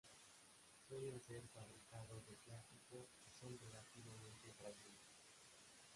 Suelen ser fabricados de plástico y son relativamente frágiles.